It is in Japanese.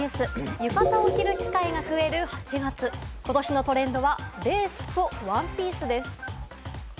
浴衣を着る機会が増える８月、ことしのトレンドはレースとワンピースです。